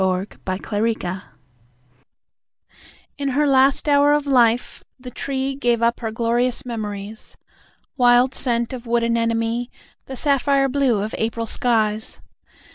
The Log Fire In her last hour of life the tree Gave up her glorious memories, Wild scent of wood anemone, The sapphire blue of April skies.